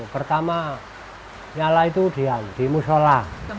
pertama nyala itu di musola